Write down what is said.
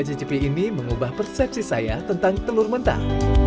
mencicipi ini mengubah persepsi saya tentang telur mentah